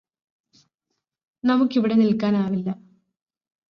നമുക്കിവിടെ നില്ക്കാനാവില്ല